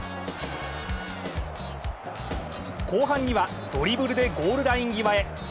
後半には、ドリブルでゴールライン際へ。